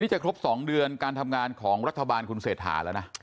จะครบ๒เดือนการทำงานของรัฐบาลคุณเศรษฐาแล้วนะ